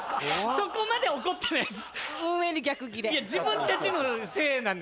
そこまで怒ってないです。